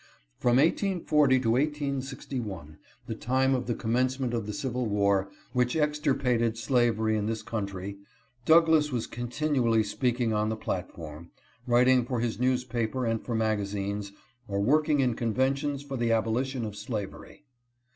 From 1840 to 1861, the time of the commencement of the civil war, which extirpated slavery in this country, Douglass was continu ally speaking on the platform, writing for his newspaper and for magazines, or working in conventions for the abolition of slavery.